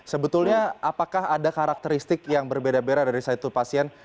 sebetulnya apakah ada karakteristik yang berbeda beda dari satu pasien